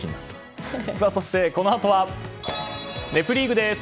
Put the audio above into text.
そしてこのあとは「ネプリーグ」です。